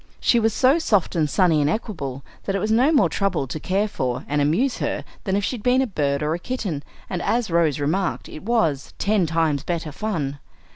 She was so soft and sunny and equable, that it was no more trouble to care for and amuse her than if she had been a bird or a kitten; and, as Rose remarked, it was "ten times better fun."